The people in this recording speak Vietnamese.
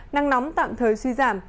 nắng nóng tạm thời suy giảm